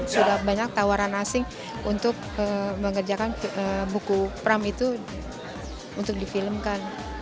sudah banyak tawaran asing untuk mengerjakan buku pram itu untuk difilmkan